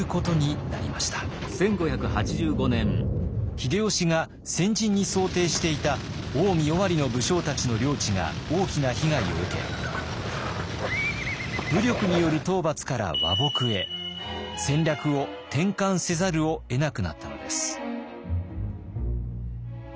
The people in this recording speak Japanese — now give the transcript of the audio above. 秀吉が先陣に想定していた近江・尾張の武将たちの領地が大きな被害を受け武力による討伐から和睦へ戦略を転換せざるを得なくなったのです。